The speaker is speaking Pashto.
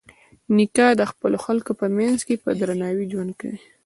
نیکه د خپلو خلکو په منځ کې په درناوي ژوند کوي.